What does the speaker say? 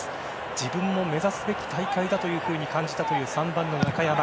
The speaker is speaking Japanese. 自分も目指すべき大会だと感じたという３番の中山。